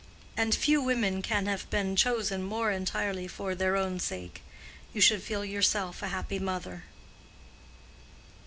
And few women can have been chosen more entirely for their own sake. You should feel yourself a happy mother."